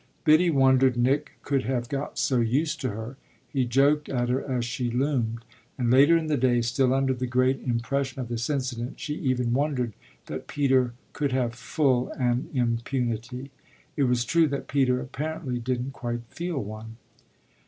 Biddy wondered Nick could have got so used to her he joked at her as she loomed and later in the day, still under the great impression of this incident, she even wondered that Peter could have full an impunity. It was true that Peter apparently didn't quite feel one.